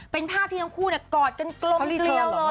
เป็นภาพที่ทั้งคนกอดกันกลมอยู่แล้วเลย